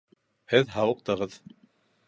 Һеҙ һауыҡтығыҙ